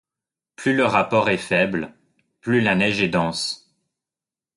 Plus le rapport est faible, plus la neige est dense.